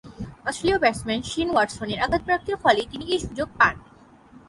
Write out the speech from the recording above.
অস্ট্রেলীয় batsman Shane ওয়াটসনের আঘাতপ্রাপ্তির ফলেই তিনি এ সুযোগ পান।